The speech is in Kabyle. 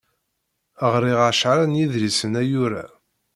Ɣriɣ ɛecra n yidlisen ayyur-a.